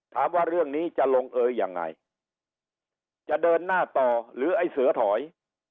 ถามว่าเรื่องนี้จะลงเอยยังไงจะเดินหน้าต่อหรือไอ้เสือถอย